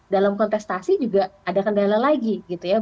dalam kontestasi juga ada kendala lagi gitu ya